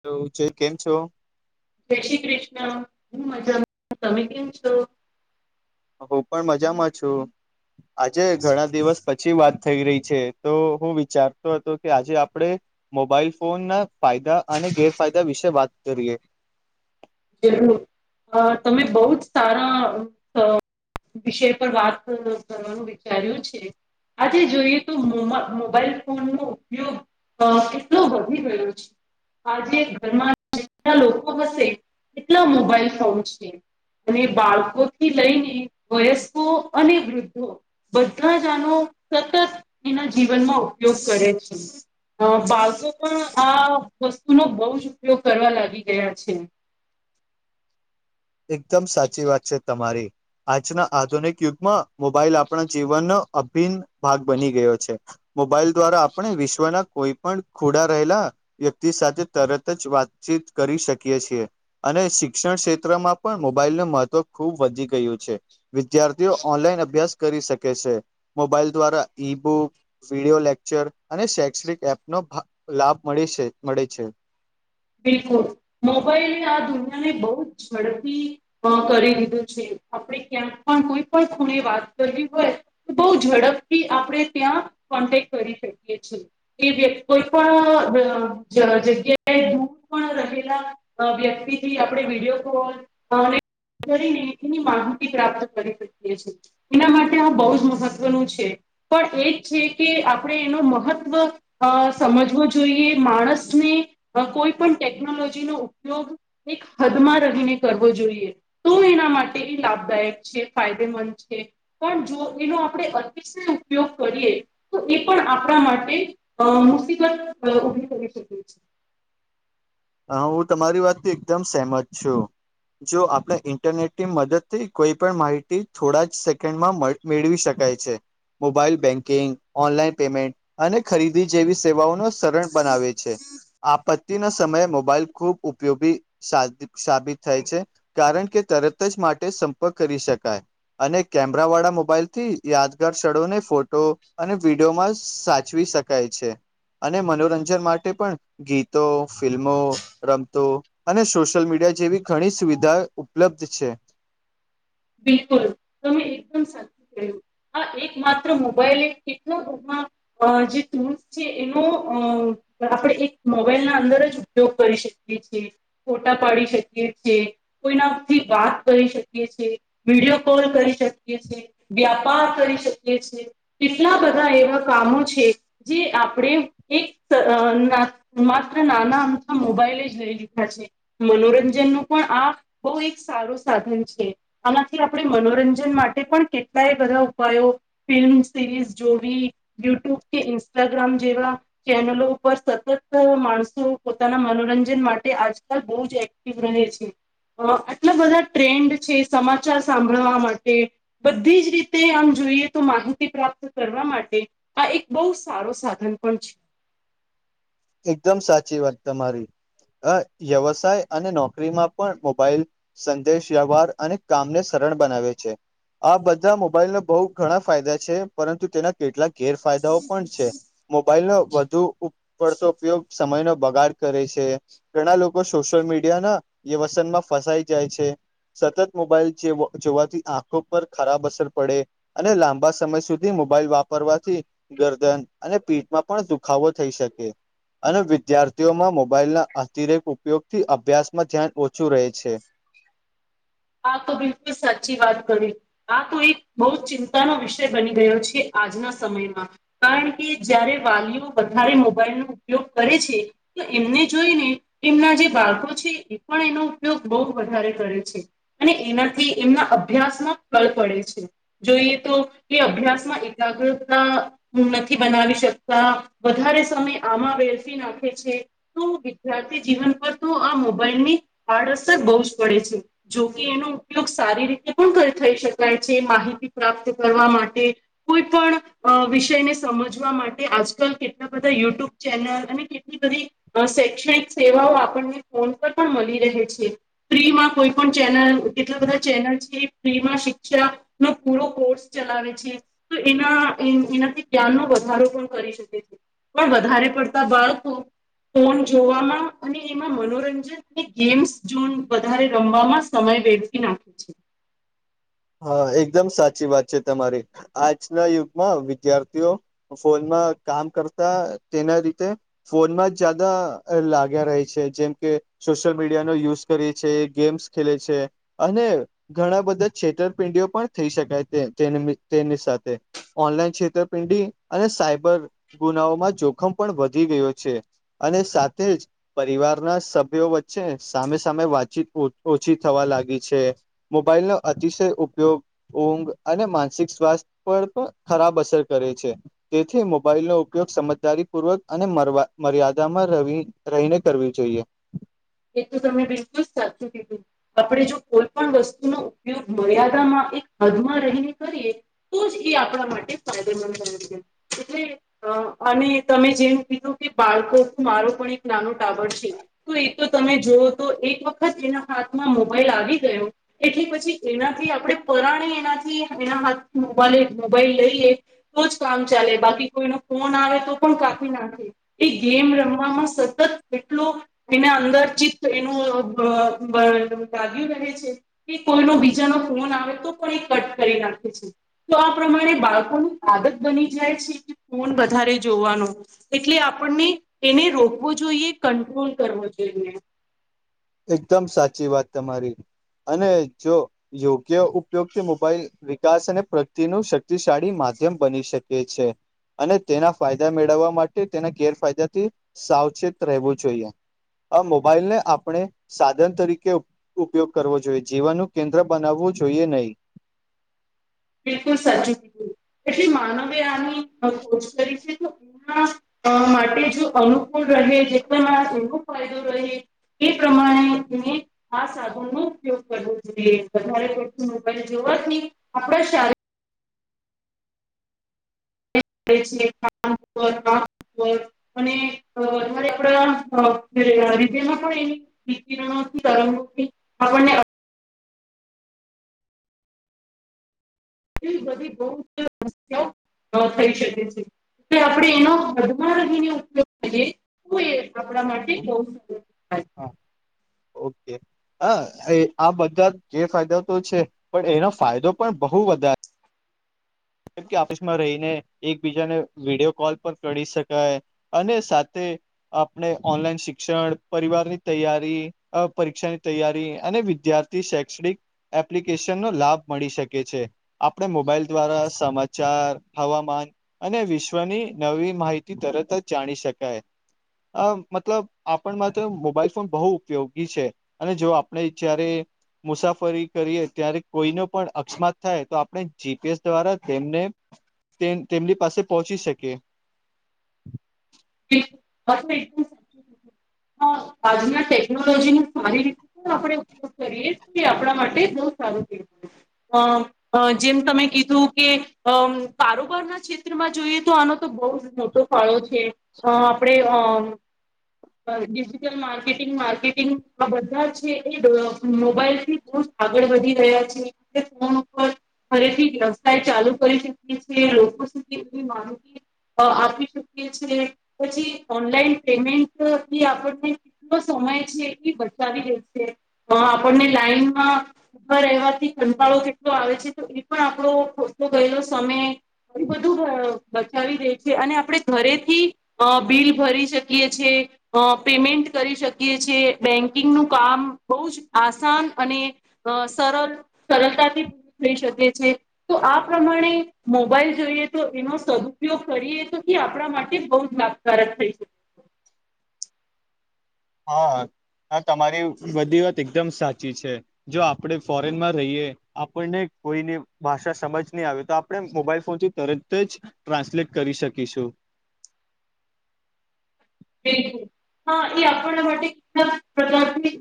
Hello જય કેમ છો જય શ્રી કૃષ્ણ હું મજા તમે કેમ છો હું પણ મજામાં છું આજે ઘણા દિવસ પછી વાત થઈ રહી છે તો હું વિચારતો હતો કે આજે આપડે મોબાઈલ ફોન ના ફાયદા અને ગેરફાયદા વિશે વાત કરીએ જરૂર તમે બહ જ સારા વિષય પર વાત કરવાનું વિચાર્યું છે આજે જોઈએ તો મો મોબાઈલ ફોન નો ઉપયોગ અ કેટલો વધી ગયો છે આજે ઘરમાં જે લોકો હશે કેટલા મોબાઈલ ફોન છે અને બાળકો થી લઈને વયસ્કો અને વૃદ્ધો બધા જ આનો સતત એના જીવનમાં ઉપયોગ કરે છે અ બાળકો પણ આ વસ્તુનોો બહુજ ઉપયોગ કરવા લાગી ગયા છે એકદમ સાચી વાત છે તમારી આજના આધુનિક યુગમાં મોબાઈલ આપણા જીવનનો અભિન્ન ભાગ બની ગયો છે મોબાઈલ દ્વારા આપણે વિશ્વના કોઈ પણ ખુડા રહેલા વ્યક્તિ સાથે તરત જ વાતચીત કરી શકીએ છીએ અને શિક્ષણ ક્ષેત્રમાં પણ મોબાઈલ ન મહત્વ ખુબ વધી ગયું છે વિદ્યાર્થીઓ ઓનલાઈન અભ્યાસ કરી શકે છે મોબાઈલ દ્વારા ઈબુક વિડીયો લેક્ચર અને શૈક્ષણિક એપ નો લાભ મળ મળે છે બિલકુલ મોબાઈલ આ દુનિયા ને બહુ જ ઝડપી કરી દીધું છે, આપણે ક્યાંક પણ કોઈ પણ ખૂણે વાત કરવી હોય. બઉુ ઝડપથી આપણે ત્યાં કોન્ટેક્ટ કરી શકીએ છીએ, એ વ્યક્તિ કોઈ પણ જગ્યાએ, રહેલા વ્યક્તિથી આપણે વિડીયો કોલ કરીની માહિતી પ્રાપ્ત કરી શકીએ છીએ, એના માટે આ બહુ જ મહત્વનું છે, પણ એ છે કે આપણે એનો મહત્ત્વ અ સમજવો જોઈએ, માણસને કોઈ પણ ટેકનોલોજીનો ઉપયોગ એક હદમાં રહીને કરવો જોઈએ. તો એના માટે એ લાભદાયક છે ફાયદેમંદ છે, પણ જો એનો આપણે અ ઉપયોગ કરીએ તો એ પણ આપણા માટે અ મુસીબત ઉભી કરી શકીએ છીએ, હા હું, તમારી વાત તો એકદમ સહેમત છું. જો આપણે ઈન્ટરનેટની મદદથી કોઈ પણ માહિતી થોડા જ સેકન્ડમાં મળ મેળવી શકાય છે. મોબાઈલ બેન્કિંગ ઓનલાઈન પેમેન્ટ અને ખરીદી જેવી સેવાઓનો સરળ બનાવે છે, આપત્તિના સમયે મોબાઈલ ખૂબ ઉપયોગી સા સાબિત થાય છે. કારણ કે તરત જ માટે સંપર્ક કરી શકાય. અને કેમેરા વાળા મોબાઈલ થી યાદગાર ક્ષળોને ફોટો અને વિડીયોમાં સાચવી શકે, જાયે છે અને મનોરંજન માટે પણ ગીતો ફિલ્મો રમતો અને સોશિયલ મીડિયા જેવી ઘણી સુવિધા ઉપલબ્ધ છે, બિલકુલ તમે એકદમ સાસુ હા, એક માત્ર મોબાઈલ કેટલા ઘરમાં અ જે ટૂલ્સ છે એનો અ આપણે એક મોબાઈલ ના અંદર જ ઉપયોગ કરી શકીએ છીએ, ફોટા પાડી શકીએ છીએ, કોઈનાથી વાત કરી શકીએ છે. વિડીયો કોલ કરી શકીએ, છીએ વ્યાપાર કરી શકીએ છીએ, કેટલા બધા એવા કામો છે, જે આપણે એક [inaudible] માત્ર નાના આમક મોબાઈલે જ લઈ લીધા છે. મનોરંજન નું પણ આ બહુ એક સારું સાધન છે, આમાંથી આપણે મનોરંજન માટે પણ કેટલાય બધા ઉપાયો ફિલ્મ સિરીઝ જોવી યુટ્યુબ કે ઇન્સ્ટાગ્રામ જેવા ચેનલો ઉપર સતત માણસો પોતાના મનોરંજન માટે આજકાલ બહુ જ [inaudible] રહે છે, આટલા બધા ટ્રેન્ડ છે સમાચાર સાંભળવા માટે બધી જ રીતે આમ જોઈએ, તો માહિતી પ્રાપ્ત કરવા માટે આ એક બહુ સારો સાધન પણ છે. એકદમ સાચી વાત તમારી વ્યવસાય અને નોકરીમાં પણ મોબાઈલ સંદેશ વ્યવહાર અને કામને સરળ બનાવે છે, આ બધા મોબાઈલને બહુ ઘણા ફાયદા છે, પરંતુ તેના કેટલાક ગેરફાયદાઓ પણ છે, મોબાઈલ વધુ પડતો ઉપયોગ સમય ન બગાડ કરે છે, ઘણા લોકો સોશિયલ મીડિયા ના વ્યવસન ફસાઈ જાય છે, સતત મોબાઈલ જોવાથી આંખો પર ખરાબ અસર પડે અને લાંબા સમય સુધી મોબાઈલ વાપરવાથી ગરદન અને પીઠમાં પણ દુખાવો થઈ શકે, અને વિદ્યાર્થીઓમાં મોબાઈલ ના અતિરેક ઉપયોગથી અભ્યાસમાં ધ્યાન ઓછું રહે છે, હા તો બિલકુલ સાચી વાત કરી. આ તો એક બહુ ચિંતાનો વિષય બની ગયો છે, આજના સમયમાં કારણ કે જારે વાલીઓ વધારે મોબાઈલ નો ઉપયોગ કરે છે, તો એમને જોઈને એમના જે બાળકો છે એ પણ એનો ઉપયોગ બહુ વધારે કરે છે. અને એનાથી એમના અભ્યાસમાં ફળ પડે છે જોઈએ તો કે અભ્યાસમાં એકાગ્રતા હુ નથી બનાવી શકતા વધારે સમય આમાં બેલફી નાખે છે તો વિદ્યાર્થી જીવન પર તો આ મોબાઈલ ની આડઅસર બહુ જ પડે છે જોકે એનો ઉપયોગ સારી રીતે પણ થઈ શકાય છે માહિતી પ્રાપ્ત કરવા માટે કોઈ પણ વિષયને સમજવા માટે આજકાલ કેટલા બધા યુટ્યુબ ચેનલ અને બધી શૈક્ષણિક સેવાઓ આપણને ફોન પર પણ મળી રહે છે ફ્રીમાં કોઈ પણ ચેનલ કેટલા બધા ચેનલ છે એ ફ્રીમાં શિક્ષા નો પૂરો કોર્સ ચલાવે છે તો એના એનાથી જ્ઞાનનો વધારો પણ કરી શકે છે પણ વધારે પડતા બાળકો ફોન જોવામાં અને એમાં મનોરંજન અને ગેમ્સ જોન વધારે રમવામાં સમય વેઠી નાખે છે હા એકદમ સાચી વાત છે તમારી આજના યુગમાં વિદ્યાર્થીઓ ફોનમાં કામ કરતા તેના રીતે ફોનમાં જ જ્યાદા લાગ્યા ર છે જેમ કે સોશિયલ મીડિયાનોો યુઝ કરીએ છે ગેમ્સ ખેલે છે અને ઘણા બધા છેતરપિંડીઓ પણ થઈ શકાય તે તેની તેની સાથે ઓનલાઈન છેતરપિંડી અને સાયબર ગુનાઓમાં જોખમ પણ વધી ગયો છે અને સાથે જ પરિવારના સભ્યો વચ્ચે સામે સામે વાતચીત ઓછી થવા લાગી છે મોબાઈલનો અતિશય ઉપયોગ ઊંઘ અને માનસિક સ્વાસ્થ્ય પર પણ ખરાબ અસર કરે છે તેથી મોબાઈલ નો ઉપયોગ સમજદારીપૂર્વક અને મર્યાદામાં ર રહીને કરવી જોઈએ એ તો તમે બિલકુલ સાચું કીધું આપણે જો કોઈ પણ વસ્તુનો ઉપયોગ મર્યાદામાં એક હદમાં રહીને કરીએ તો જ એ આપણા માટે ફાયદેમંદ થ છે એટલે અ અને તમે જેવ કીધું કે બાળકો મારો પણ એક નાનો ટાવર છે તો તો તમે જોુઓ તો એક વખત એના હાથમાં મોબાઈલ આવી ગયો એટલે પછી એનાથી આપણે પરાણે એનાથી એના હાથ મોબા મોબાઈલ લઈએ તો જ કામ ચાલે બાકી કોઈનો ફોન આવે તો પણ કાફી નાખે એ ગેમ રમવામાં સતત એટલો એના અંદર ચિતત એનું લાગ્યું રહે છે કે કોઈનો બીજાનો ફોન આવે તો પણ એ કટ કરી નાખે છે તો આ પ્રમાણે બાળકોની આદત બની જાય છે કે ફોન વધારે જોવાનો એટલે આપણને એને રોકવો જોઈએ કંટ્રોલ કરવો જોઈએ એકદમ સાચી વાત તમારી અને જો યોગ્ય ઉપયોગથી મોબાઈલ વિકાસ અને પ્રગતિનું શક્તિશાળી માધ્યમ બની શકે છે અને તેના ફાયદા મેળવવા માટે તેના ગેરફાયદાથી સાવચેત રહેવું જોઈએ આ મોબાઈલ ને આપણે સાધન તરીકે ઉપયોગ કરવો જોઈએ જીવનનું કેન્દ્ર બનાવવું જોઈએ નહીં બિલકુલ સાચી બક એટલે માનવે આની કોચ કરી છે તો માટે જો અનુકૂળ રહે જે કોઈ મા એો ફાયદો રહે એ પ્રમાણેને આ સાબુન નો ઉપયોગ કરવો જોઈએ વધારે ખછું જોવા જ નહી આપણા શ મ વધારે આપ એ બધી બહ સમસ્યા થઈ શકે છે તો આપણેે એનો હદમાં રહીને ઉપયોગ કરીએ તો એ આપણા માટે બહુ સારું થાય. હા ઓકે હ એ આ બધા જે ફાયદા તો છે પણ એનો ફાયદો પણ બહુ વધારે કેમ કે ઓફિસમાં રહીને એકબીજાને વિડીયો કોલ પણ કરી શકાય. અને સાથે આપણે ઓનલાઈન શિક્ષણ પરિવારની તૈયારી અ પરીક્ષાની તૈયારી અને વિદ્યાર્થી શૈક્ષણિક એપ્લિકેશન નો લાભ મળી શકે છે આપણે મોબાઈલ દ્વારા સમાચાર હવામાન-' અને વિશ્વની નવી માહિતી તરત જ જાણી શકાય. અ મતલબ આપણમાં તો મોબાઈલ ફોન બહુ ઉપયોગી છે. અને જો આપણે જ્યારે મુસાફરી કરીએ ત્યારે કોઈનો પણ અકસ્માત થાય તો આપણે જીપીએસ દ્વારા તેમને તેમની પાસે પહોંચી શકે. એકમ સાચ આજના ટેકનોલોજીને સારી રીતે આપણે ઉપયોગ કરીએ તો આપણા માટે બહુ સારું તેલ મળે અ જેમ તમે કીધું કે અમ કારોબાર ના ક્ષેત્રમાં જોઈએ તો આનો તો બહુ જ મોટા ફળો છે અ આપડે અ ડિજિટલ માર્કેટિંગ માર્કેટિંગ આ બધા છે. એ મોબાઈલથી બ આગળ વધી રહ્યા છે એ ફોન ઉપર ફરીથી વ્યવસાય ચાલુ કરી શકીએ છીએ લોકો સુધી એ માનું આપી ચુકી છ છેએ પછી ઓનલાઈન પેમેન્ટથી આપને એ સમય છે. એટલી બચાવી લેશે આપણને લાઈનમાં ઉભા રહેવાથી કંટાળો કેટલો આવે છે તો એ પણ આપડો ખોટલો ગયેલો સમય-' એું બધું બચાવી દે છે. અને આપડે ઘરેથી અ બિલ ભરી શકીએ છેએ, અ પેમેન્ટ કરી શકીએ છીએ બેંકિંગનું કામ બહુ જ આસાન અને અ સરળ સરળતાથી પૂરી થઈ શકે છે. તો આ પ્રમાણે મોબાઈલ જોઈએ તો એનો સદુપયોગ કરીએ તો એ આપણા માટે બૌ ાકારક થઈ શકે હા હા તમારી બધી વાત એકદમ સાચી છે. જો આપણેે ફોરેન માં રહીએ આપણને કોઈની ભાષા સમજ નહી આવે તો આપણે મોબાઈલ ફોન થી તરત જ ટ્રાન્સલેટ કરી શકીશું. બિલકુલ હા એ આપણા માટે કે પ્રકારની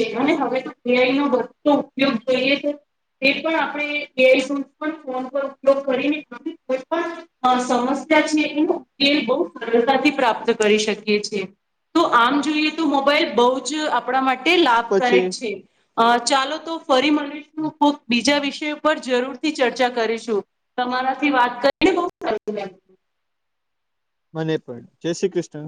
છે. અને હવેઈ ન બો ઉપયોગ થઈએ છે. એ પણ આપણે યરફોન્ પણ ફોન પર ઉપયોગ કરીને સમસ્યા છે એલ બહ સરળતાથી પ્રાપ્ત શકી તો આમ જોઈએ તો મોબાઈલ બ જ આપણા માટે પછી લાભદાયક છે. અ ચાલો તો ફરી મળીશુંક બીજા વિષય પરર જરૂરથી ચર્ચા કરીશું. તમારાથી વાત કરીને કો કરમ મને એપા જય શ્રી કૃષ્ણ